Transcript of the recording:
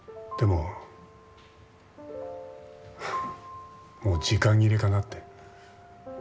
もう時間切れかなって。